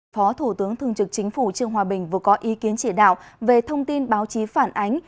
phó thủ tướng thương trực chính phủ trương hòa bình vừa có ý kiến chỉ đạo về thông tin báo chí phản ánh